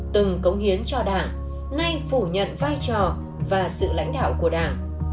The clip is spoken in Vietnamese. từng cống hiến cho đảng nay phủ nhận vai trò và sự lãnh đạo của đảng